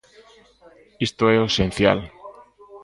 Isto é o esencial.